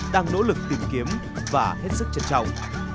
đang nỗ lực tìm kiếm và hết sức trân trọng